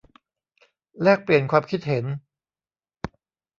แลกเปลี่ยนความคิดเห็น